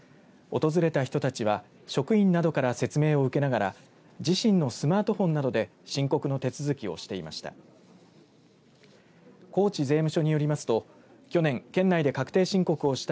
訪れた人たちは職員などから説明を受けながら自身のスマートフォンなどで申告の手続きをしていました。